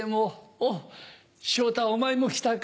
おっ昇太お前も来たか。